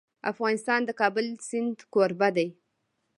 افغانستان د د کابل سیند کوربه دی.